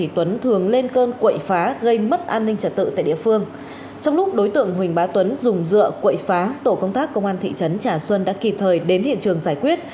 trong lúc đối tượng huỳnh bá tuấn dùng dựa quậy phá tổ công tác công an thị trấn trà xuân đã kịp thời đến hiện trường giải quyết